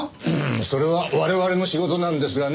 それは我々の仕事なんですがね。